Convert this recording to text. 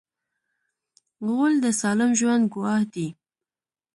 غول د سالم ژوند ګواه دی.